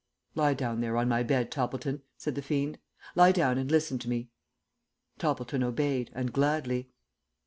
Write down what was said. "Lie down there on my bed, Toppleton," said the fiend. "Lie down and listen to me." Toppleton obeyed, and gladly.